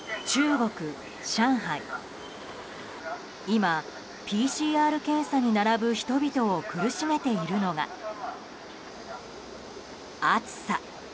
今、ＰＣＲ検査に並ぶ人々を苦しめているのが暑さ。